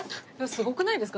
すごくないですか？